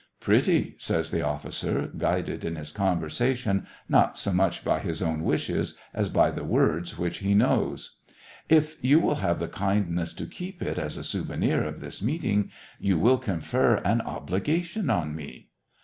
" Pretty !" says the officer, guided in his con versation not so much by his own wishes as by the words which he knows. " If you will have the kindness to keep it as a souvenir of this meeting, you will confer an obligation on me."